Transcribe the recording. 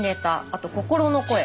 あと心の声。